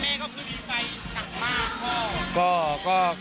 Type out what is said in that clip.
แม่ก็คือดีใจกักมาก